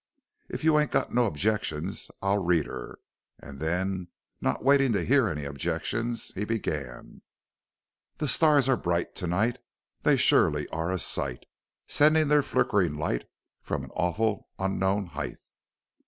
If you ain't got no objections I'll read her." And then, not waiting to hear any objections, he began: The stars are bright to night; They surely are a sight, Sendin' their flickerin' light From an awful, unknown height.